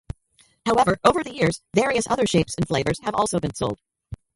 However, over the years, various other shapes and flavours have also been sold.